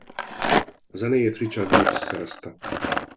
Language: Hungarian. A zenéjét Richard Gibbs szerezte.